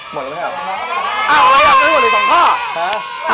หมดแล้วนะครับ